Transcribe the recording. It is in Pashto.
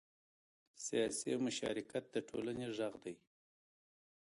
سیاسي مشارکت د ټولنې غږ دی